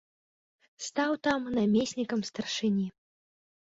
Стаў там намеснікам старшыні.